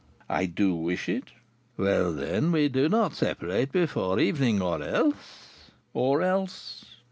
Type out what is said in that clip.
"I do wish it." "Well, then, we do not separate before evening, or else " "Or else?"